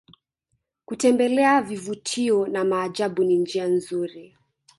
kutembelea vivutio na maajabu ni njia nzuri